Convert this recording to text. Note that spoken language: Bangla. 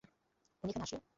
উনি এখানে আসলে?